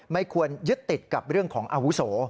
ไม่ควรยึดติดกับเรื่องของอาวุโส